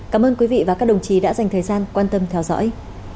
cảm ơn quý vị và các đồng chí đã dành thời gian quan tâm theo dõi